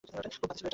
খুব বাজে ছিল এটা।